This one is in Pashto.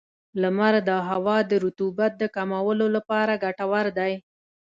• لمر د هوا د رطوبت د کمولو لپاره ګټور دی.